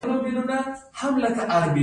د تخار په نمک اب کې کوم کان دی؟